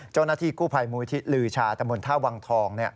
เจ้าหน้าที่กู้ไพมูลที่หลือชาแต่มนุษย์ท่าวังทองเนี่ย